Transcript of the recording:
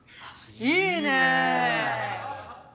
いいね。